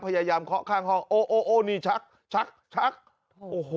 พยายามเคาะข้างห้องโอ้โอ้โอ้นี่ชักชักชักโอ้โห